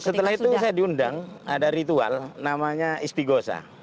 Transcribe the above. setelah itu saya diundang ada ritual namanya istighosa